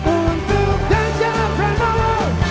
untuk danjap reno